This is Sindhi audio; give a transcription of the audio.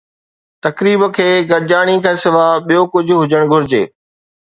تقريب کي گڏجاڻي کان سواء ٻيو ڪجهه هجڻ گهرجي